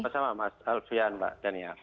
bersama mas alfian mbak daniel